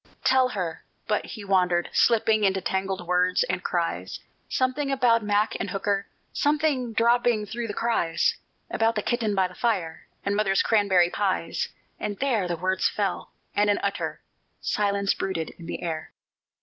"Tell her" but he wandered, slipping Into tangled words and cries, Something about Mac and Hooker, Something dropping through the cries About the kitten by the fire, And mother's cranberry pies; and there The words fell, and an utter Silence brooded in the air.